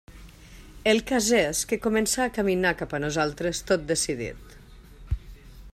El cas és que comença a caminar cap a nosaltres tot decidit.